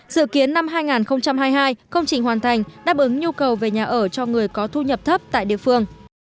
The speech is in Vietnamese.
dự kiến năm hai nghìn hai mươi hai công trình hoàn thành đáp ứng nhu cầu về nhà ở cho người có thu nhập thấp tại địa phương